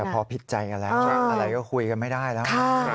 พอผิดใจกันแล้วอะไรก็คุยกันไม่ได้แล้ว